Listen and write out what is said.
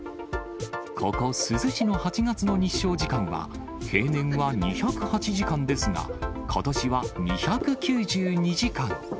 ここ、珠洲市の８月の日照時間は平年は２０８時間ですが、ことしは２９２時間。